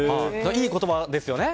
いい言葉ですよね。